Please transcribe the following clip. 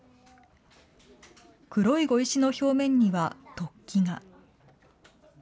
黒い碁石の表面には突起が。